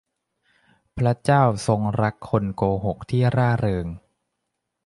พระเจ้าทรงรักคนโกหกที่ร่าเริง